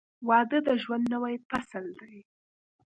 • واده د ژوند نوی فصل دی.